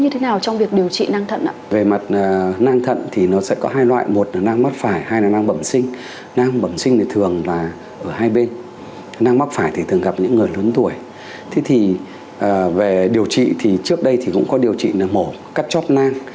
thế thì về điều trị thì trước đây cũng có điều trị mổ cắt chóp nang